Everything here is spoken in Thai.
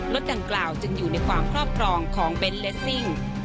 ดังกล่าวจึงอยู่ในความครอบครองของเบนท์เลสซิ่ง